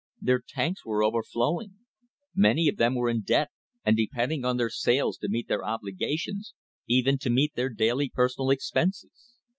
Their tanks were overflowing. Many of them were in debt and depending on their sales to meet their obligations — even to meet their daily personal expenses.